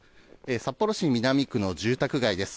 札幌市南区の住宅街です。